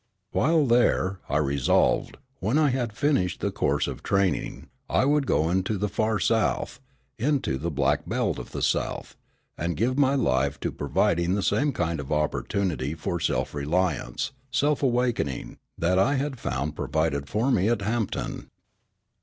While there, I resolved, when I had finished the course of training, I would go into the Far South, into the Black Belt of the South, and give my life to providing the same kind of opportunity for self reliance, self awakening, that I had found provided for me at Hampton.